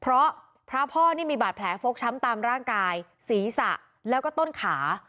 เพราะพระพ่อนี่มีบาดแผลฟกช้ำตามร่างกายศีรษะแล้วก็ต้นขา